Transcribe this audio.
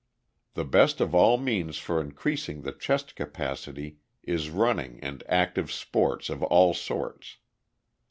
The best of all means for increasing the chest capacity is running and active sports of all sorts.